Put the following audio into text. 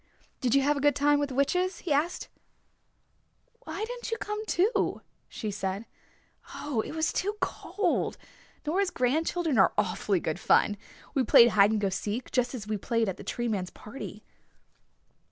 "Did you have a good time with the witches?" he asked. "Why didn't you come, too?" she said "Oh, it was too cold. Nora's grandchildren are awfully good fun. We played hide and go seek, just as we played it at the Tree Man's party."